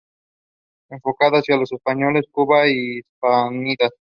Enfocado hacia los españoles de Cuba y la Hispanidad.